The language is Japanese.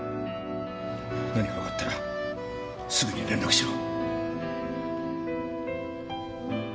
何かわかったらすぐに連絡しろ。